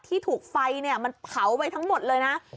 ที่ถูกไฟมันเผาไปทั้งหมดเลยนะ